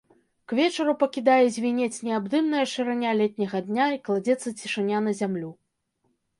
К вечару пакідае звінець неабдымная шырыня летняга дня, і кладзецца цішыня на зямлю.